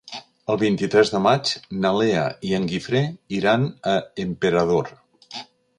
El vint-i-tres de maig na Lea i en Guifré iran a Emperador.